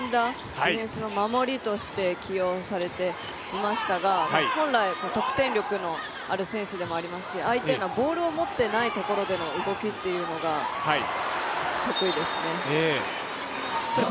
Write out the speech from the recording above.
ディフェンスの守りとして起用をされていましたが本来、得点力のある選手でもありますし相手がボールを持っていないところでの動きっていうのが得意ですね。